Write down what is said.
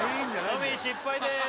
トミー失敗です